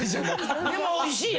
でもおいしいやん。